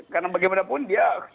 karena bagaimanapun dia